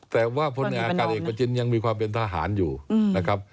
แต่ว่าพลอากาศเอกประจินยังมีความเป็นทหารอยู่นะครับ